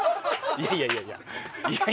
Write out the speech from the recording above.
いやいやいやいや。